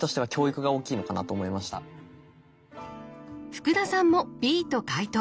福田さんもＢと解答。